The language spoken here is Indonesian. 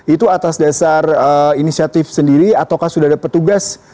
itu atas dasar inisiatif sendiri ataukah sudah ada petugas